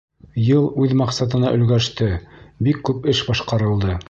Йыл үҙ маҡсатына өлгәште, бик күп эш башҡарылды.